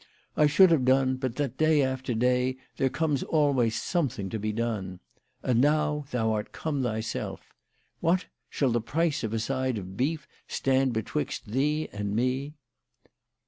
I should have gone, but that, day after day, there comes always something to be done. And now thou art come thyself. What, shall the price of a side of beef stand betwixt thee and me